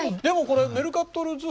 でもこれメルカトル